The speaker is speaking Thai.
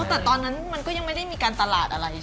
แต่ตอนนั้นมันก็ยังไม่ได้มีการตลาดอะไร